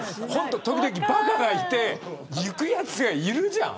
時々、ばかがいていくやつがいるじゃん。